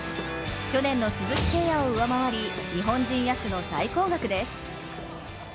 去年の鈴木誠也を上回り、日本人野手の最高額です。